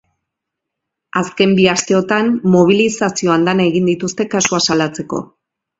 Azken bi asteotan mobilizazio andana egin dituzte kasua salatzeko.